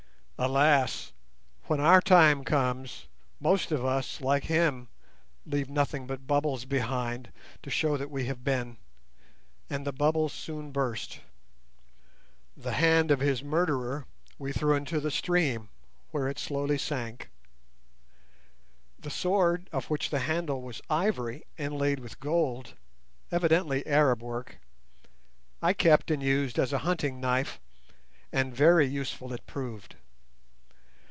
Alas! when our time comes, most of us like him leave nothing but bubbles behind, to show that we have been, and the bubbles soon burst. The hand of his murderer we threw into the stream, where it slowly sank. The sword, of which the handle was ivory, inlaid with gold (evidently Arab work), I kept and used as a hunting knife, and very useful it proved.